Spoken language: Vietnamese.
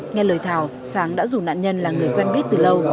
nghe lời thảo sáng đã rủ nạn nhân là người quen biết từ lâu